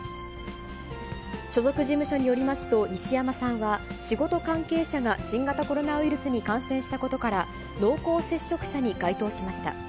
所属事務所によりますと、西山さんは、仕事関係者が新型コロナウイルスに感染したことから、濃厚接触者に該当しました。